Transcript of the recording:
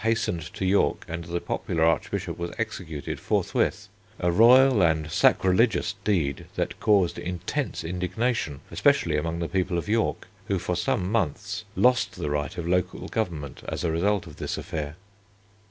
hastened to York, and the popular archbishop was executed forthwith, a royal and sacrilegious deed that caused intense indignation especially among the people of York, who for some months lost the right of local government as a result of this affair.